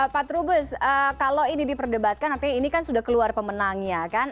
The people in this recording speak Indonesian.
pak trubus kalau ini diperdebatkan artinya ini kan sudah keluar pemenangnya kan